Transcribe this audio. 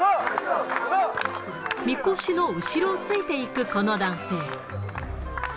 みこしの後ろをついていくこの男性。